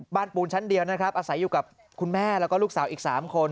ปูนชั้นเดียวนะครับอาศัยอยู่กับคุณแม่แล้วก็ลูกสาวอีก๓คน